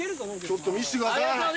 ちょっと見せてください有吉さん